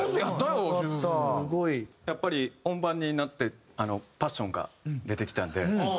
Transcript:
やっぱり本番になってパッションが出てきたんで。